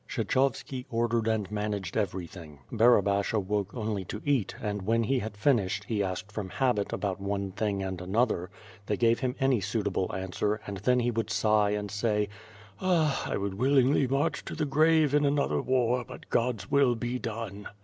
Ksheehovski ordered and manage<l everything; Barabash awoke only to eat, and, when he had finished, he asked from habit about one thing and another — they gave him any suit able answer, and then he would sigh and say: "Ah! I would willingly march to the grave in another war but God's will be done!"